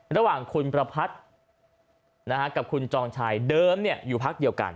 ระหว่างคุณประพัทธ์กับคุณจองชัยเดิมอยู่พักเดียวกัน